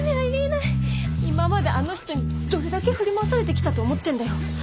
今まであの人にどれだけ振り回されて来たと思ってんだよ。